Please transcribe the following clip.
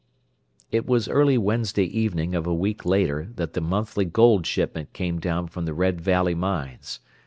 It was early Wednesday evening of a week later that the monthly gold shipment came down from the Red Valley mines.